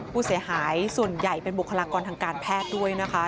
ผู้เสียหายส่วนใหญ่เป็นบุคลากรทางการแพทย์ด้วยนะคะ